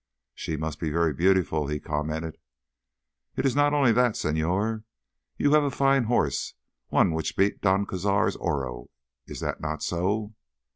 "She must be very beautiful," he commented. "It is not only that, señor. You have a fine horse, one which beat Don Cazar's Oro, is that not so?"